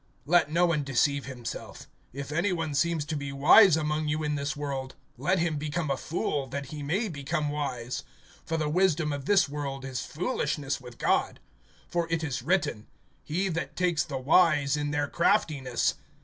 (18)Let no one deceive himself. If any one seems to be wise among you in this world, let him become a fool, that he may become wise. (19)For the wisdom of this world is foolishness with God. For it is written: He that takes the wise in their craftiness.